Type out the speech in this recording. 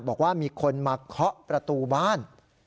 บอกว่ามีคนมาเคาะประตูบ้าน